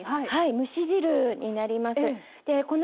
蒸し汁になります。